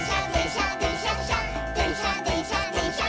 しゃでんしゃでんしゃでんしゃっしゃ」